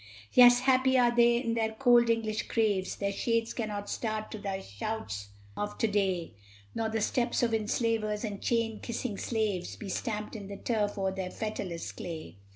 Yes, happy are they in their cold English graves! Their shades cannot start to thy shouts of to day, Nor the steps of enslavers and chain kissing slaves Be stamped in the turf o'er their fetterless clay.